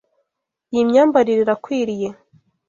Iyi myambarire irakwiriye.